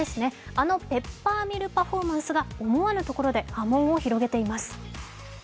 あのペッパーミルパフォーマンスが思わぬところで波紋を広げています。